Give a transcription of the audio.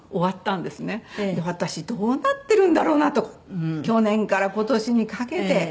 私どうなってるんだろうなと去年から今年にかけて。